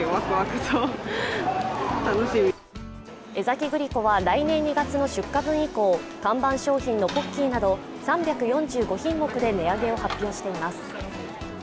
江崎グリコは来年２月の出荷分以降看板商品のポッキーなど３４５品目を発表しています